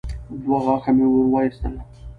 دوه غاښه مو ور وايستل.